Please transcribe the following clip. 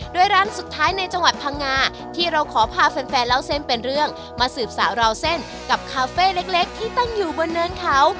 โดยร้านสุดท้ายในจังหวัดพังงาที่เราขอพาแฟนเล่าเส้นเป็นเรื่องมาสืบสาวราวเส้นกับคาเฟ่เล็กที่ตั้งอยู่บนเนินเขา